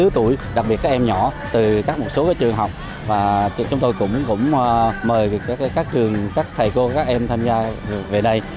từ các một số trường học chúng tôi cũng mời các trường các thầy cô các em tham gia về đây